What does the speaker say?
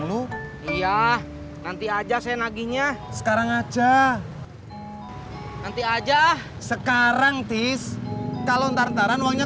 saya lihat kesana